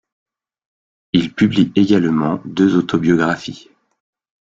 Il publie également deux autobiographies.